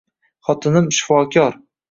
Xotinim shifokor.